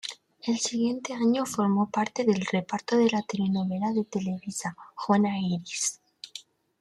El siguiente año formó parte del reparto de la telenovela de Televisa "Juana Iris".